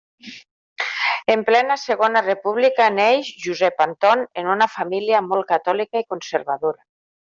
En plena Segona República neix Josep Anton en una família molt catòlica i conservadora.